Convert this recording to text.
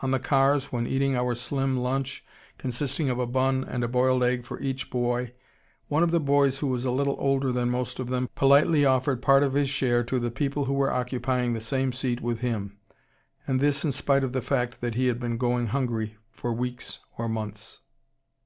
On the cars when eating our slim lunch, consisting of a bun and a boiled egg for each boy, one of the boys who was a little older than most of them politely offered part of his share to the people who were occupying the same seat with him, and this in spite of the fact that he had been going hungry for weeks or months.